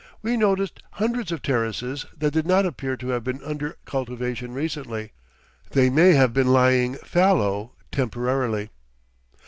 We noticed hundreds of terraces that did not appear to have been under cultivation recently. They may have been lying fallow temporarily.